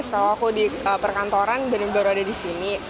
kalau aku di perkantoran benar benar ada di sini